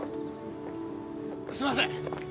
すいません！